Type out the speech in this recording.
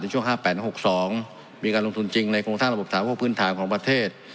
ในช่วง๕๘๖๒มีการลงทุนจริงในกลุ่มทางระบบสารพวกพื้นฐานของประเทศ